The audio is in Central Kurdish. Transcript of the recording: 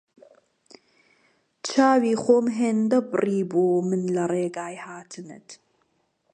چاوی خۆم هێندە بڕیبوو من لە ڕێگای هاتنت